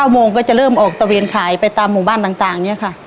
โมงก็จะเริ่มออกตะเวนขายไปตามหมู่บ้านต่างเนี่ยค่ะ